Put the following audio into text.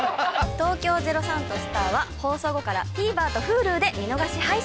『東京０３とスタア』は放送後からＴＶｅｒとＨｕｌｕで見逃し配信。